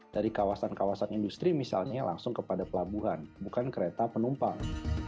dari kawasan kawasan industri misalnya langsung kepada pelabuhan bukan kereta penumpang